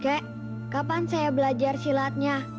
kek kapan saya belajar silatnya